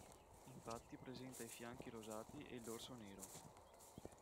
Infatti presenta i fianchi rosati e il dorso nero.